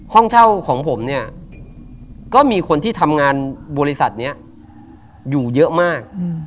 ห้องเช่าของผมเนี่ยก็มีคนที่ทำงานบริษัทนี้อยู่เยอะมาก